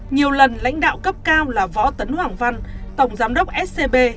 nhiều lần lãnh đạo cấp cao là võ tấn hoàng văn tổng giám đốc scb